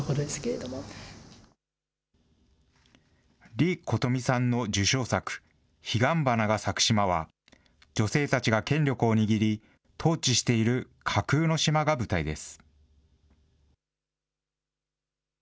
李琴峰さんの受賞作、彼岸花が咲く島は、女性たちが権力を握り、統治している架空の島が舞台です。